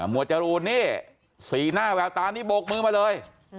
วดจรูนนี่สีหน้าแววตานี่โบกมือมาเลย